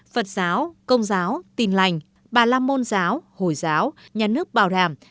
phật giáo công giáo tình lành bà lamôn giáo hồi giáo nhà nước bảo đảm